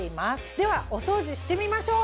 ではお掃除してみましょう！